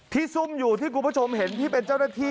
ซุ่มอยู่ที่คุณผู้ชมเห็นที่เป็นเจ้าหน้าที่